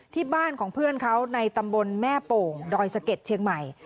ที่บ้านของเพื่อนเขาในตำบลแม่โป่งดอยสะเก็ดเชียงใหม่